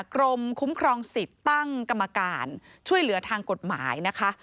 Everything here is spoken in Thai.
กรมคุ้มครองสิทธิ์ตั้งกรรมการช่วยเหลือทางกฎหมายนะคะ